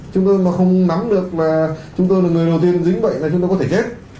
chúng tôi mà không nắm được và chúng tôi là người đầu tiên dính bệnh là chúng tôi có thể chết